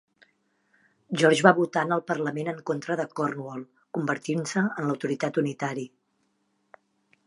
George va votar en el parlament en contra de Cornwall convertint-se en l'Autoritat Unitari.